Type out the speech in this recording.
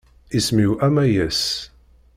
Isem-iw Amayes.